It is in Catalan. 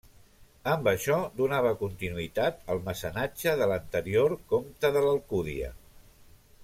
Amb això donava continuïtat al mecenatge de l'anterior comte de l'Alcúdia.